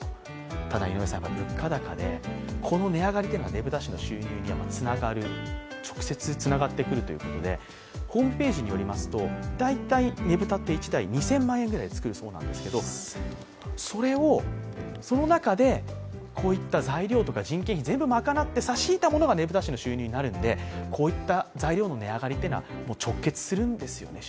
ただ、物価高で、この値上がりはねぶた師の収入に直接つながってくるそうでホームページによりますと大体、ねぶたって２０００万ぐらい使うそうなんですけどその中でこういった材料とか人件費を賄って差し引いたものがねぶた師の収入になるので材料の値上がりは直結するんです。